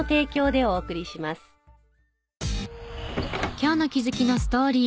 今日の気づきのストーリー。